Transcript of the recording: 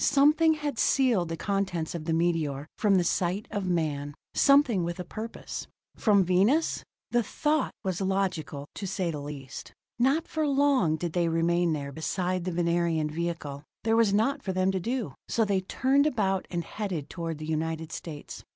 Something had sealed the contents of the meteor from the sight of man, something with a purpose. From Venus? The thought was logical, to say the least. Not for long did they remain there beside the Venerian vehicle; there was naught for them to do, so they turned about and headed toward the United States.